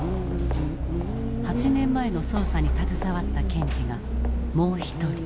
８年前の捜査に携わった検事がもう一人。